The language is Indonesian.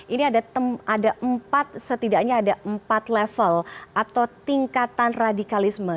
ini ada empat setidaknya ada empat level atau tingkatan radikalisme